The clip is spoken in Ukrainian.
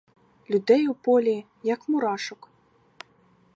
Людей у полі, як мурашок.